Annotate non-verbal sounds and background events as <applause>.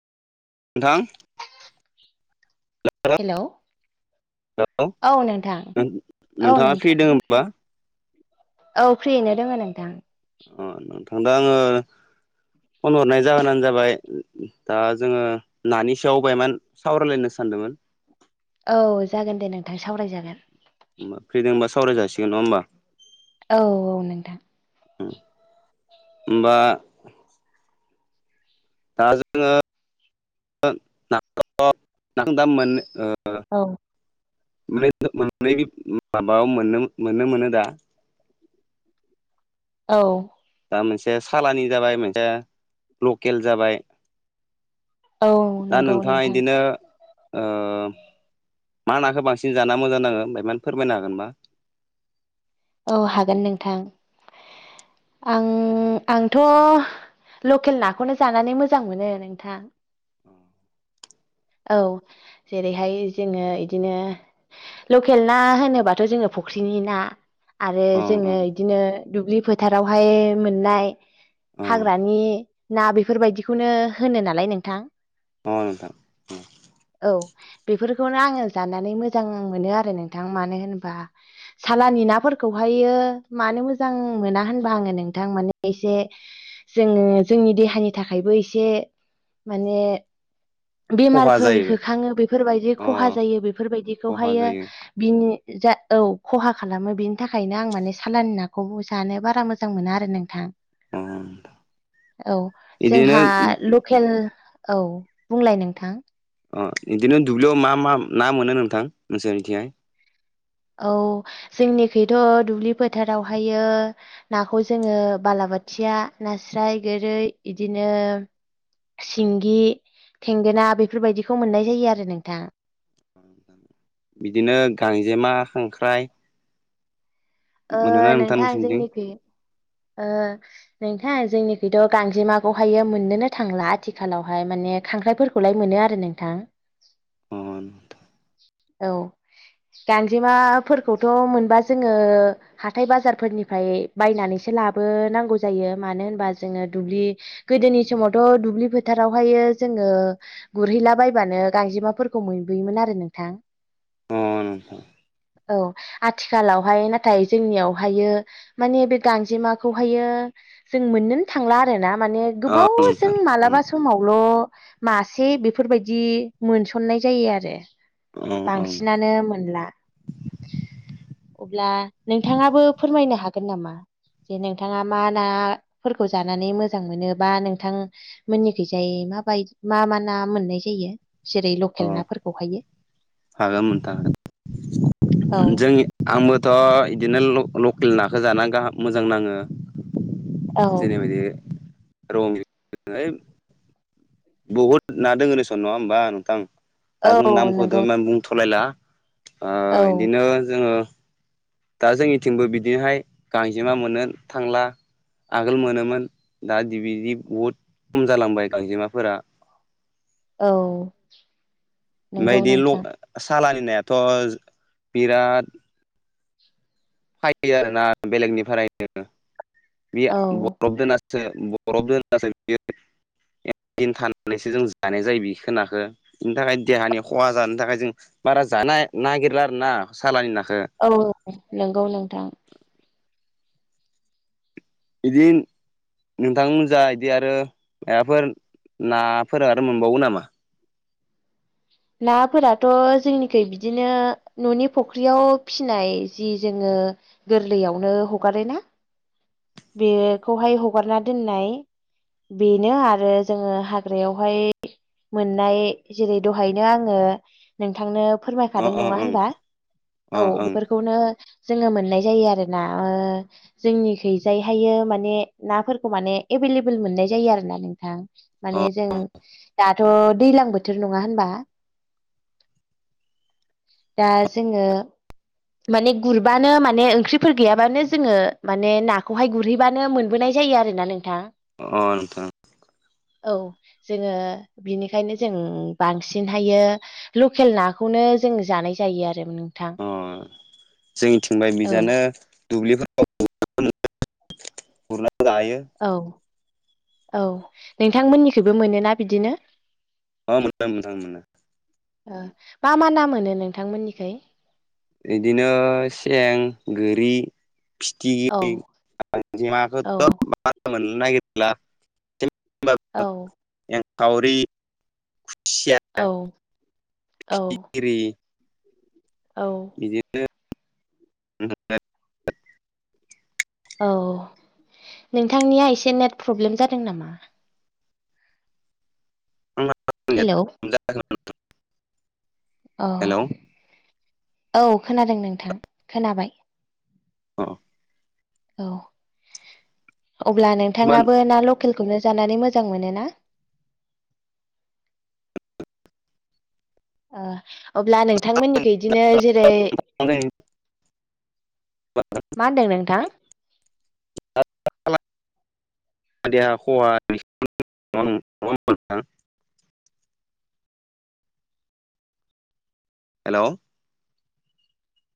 नोंथां hello hello औ नोंथां औ नोंथाङा फ्रि नोंथां दोङ होमबा औ फ्रियैनो दोङ नोंथां अ नोंथांदो आङो फन हरनाय जाहोनानो जाबाय दा जोङो नानि सायाव बायमान सावरायलायनो सानदोंमोन औ जागोन दे नोंथां सावरायजागोन होनब फ्रिदोंबा सावराय जासिगोन नङा होनोमबा? औ औ नोंथां होमबा दा जोङो न नां दाम मोनो औ फ्राय मोननै माबायाव मोन मोननो मोनो दा औ दा मोनसे सालानि जाबाय मोनसे लकेल जाबाय औ दा नंगौ नोंथाङा नोंथां बिदिनो मा नाखौ बांसिन जाना मोजां नाङो होनाय मानो फोरमायनो हागोनबा? औ हागोन नोंथां आं आंथ' लकेल नाखौनो जानानै मोजां मोनो। अ औ जेरैहाय जोङो इदिनो लकेल ना होनोबाथ' जोङो फुख्रिनि ना आरो ओं अ जोङो इदिनो दुब्लि फोथारावहाय मोननाय अ हाग्रानि ना बेफोरबायदिखौनो होनो नालाय नोंथां अ नोंथां औ बेफोरखौनो आङो जानानै मोजां मोनो आरो नोंथां मानो होनबा सालानि नाफोरखौहायो मानो मोजां मोना होनबा आङो नोंथां माने एसे जोङो जोंनि देहानि थाखायबो एसे माने खहा बेमारफोर जायो होखाङो बेफोरबायदि अ खहा जायो खहा बेफोरबायदिखौहायो जायो बिनि जा औ खहा खालामो बिनि थाखायनो आं माने सालानि नाखौ जानो बारा मोजां मोना आरो नोंथां अ औ बिदिनो जोंहा फेल औ बुंलाय नोंथां अ बिदिनो दुब्लियाव मा मा ना मोनो नोंथां नोंसोरनिथिंहाय? औ जोंनिखैथ' दुब्लि फोथारावहायो नाखौ जोङो बालाबाथिया नास्राय गोरै बिदिनो सिंगि थेंगोना बेफोरबायदिखौ मोननाय जायो आरो नोंथां। बिदिनो गांजेमा खांख्राइ ओ मोनोना नोंथां नोंसोरनिथिं जोंनिखि ओ नोंथां जोंनिखैथ' गांजेमाखौहायो मोननोनो थांला आथिखालावहाय माने खांख्राइ फोरखौलाय मोनो आरो नोंथां। उम उम औ गांजेमाफोरखौथ' मोनबा जोङो हाथाय बाजारफोरनिफ्राय बायनानैसो लाबोनांगौ जायो मानो होनबा जोङो दुब्लि गोदोनि समावथ' दुब्लि फोथारावहायो जोङो गुरहैलाबायबानो गांजेमाफोरखौ मोनबोयोमोन आरो नोंथां। उम औ आथिखालावहाय नाथाय जोंनियावहायो माने बे गांजेमाखौहायो जों मोननोनो थांला आरो ना। माने अ गोबावजों नोंथां मालाबा समावल' मासे बेफोरबायदि मोनसननाय जायो आरो। औ औ बांसिनानो मोनला <inaudible> अब्ला नोंथाङाबो फोरमायनो हागोन नामा? जे नोंथाङा मा नाफोरखौ जानानै मोजां मोनो बा नोंथां मोननिखैजाय माबाय मा मा ना मोननाय जायो जेरै अ लकेल नाफोरखौहायो हागोन नोंथां औ जोंनि आंबोथ' इदिनो ल-लकेल नाखौ जाना गाहाम मोजां नाङो। औ जेरैबादि रं है बहुद ना दङो दसन नङा होमबा नोंथां दा जों औ नामखौथ' नंगौ इमान बुंथ'लायला ओ औ इदिनो जोङो दा जोंनिथिंबो बिदिनोहाय गांजेमा मोननो थांला। आगोल मोनोमोन दादिबिदि बहुद खम जालांबाय गांजेमाफोरा औ। ओमफाय नंगौ इदि ल नोंथां सालानि नायाथ' बिराद फादो आरोना बेलेगनिफ्रायनो बि औ बरफ दोनासै <unintelligible> <unintelligible> इन्दिन थानानैसो जों जानाय जायो बिखोनाखो बेनि थाखाय देहानि खहा जानो थाखाय जों बारा जानो नागिरला आरो ना सालानि नाखो औ नंगौ नोंथां बिदि नोंथांमोन जा इदि आरो मायबाफोर नाफोर आरो मोनबावो नामा? नाफोराथ' जोंनिखै बिदिनो न'नि फख्रियाव फिसिनाय जि जोङो गोरलैयावनो हगारो ना बेखौहाय हगारना दोननाय बेनो आरो जोङो हाग्रायावहाय मोननाय जेरै दहायनो आङो नोंथांनो अ फोरमायखादों अ नङा ओं होनबा अ औ ओं बेफोर खौनो जोङो मोननाय जायो आरोना ओ जोंनिखै जाय हायो माने नाफोरखौ माने एभेलेबोल मोननाय जायो आरो ना नोंथां। अ माने जों दाथ' दैज्लां बोथोर नङा होनबा। दा जोङो माने गुरबानो माने ओंख्रिफोर गैयाबानो जोङो माने नाखौहाय गुरहैबानो मोनबोनाय जायो आरोना नों थां अ नोंथां औ जोङो बिनिखायनो जों बांसिनहायो लकेल नाखौनो जों जानाय जायो आरो नोंथां अ जोंनिथिंबाय औ बिजानो दुब्लिफोर गुरना जायो औ औ नोंथांमोननिखैबो मोनोना बिदिनो अ मोनदों नोंथां मोनों ओ मा मा ना मोनो नोंथांमोननिखाय इदिनो सें गोरि औ फिथिगिरि <unintelligible> औ गांजेमाखौथ' मार मोननो नागिरला औ एंखावरि खुसिया औ औ गिरि औ बिदिनो औ नोंथांनिया एसे नेट प्रब्लेम जादों नामा नेन हेलौ प्र जा न औ औ खोनादों नोंथां खोनाबाय औ औ अब्ला नोंथाङाबो ना ल केल खौनो जानानै मोजां मोनो ना? ओ अब्ला नोंथांमोननिखै बिदिनो जेरै मा होनदों नोंथां <unintelligible> हेलौ